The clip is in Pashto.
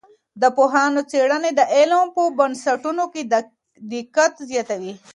د پوهانو څېړنې د علم په بنسټونو کي دقت زیاتوي.